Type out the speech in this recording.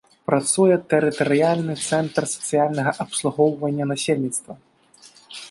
Працуе тэрытарыяльны цэнтр сацыяльнага абслугоўвання насельніцтва.